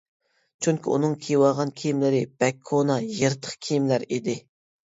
چۈنكى ئۇنىڭ كىيىۋالغان كىيىملىرى بەك كونا، يىرتىق كىيىملەر ئىدى.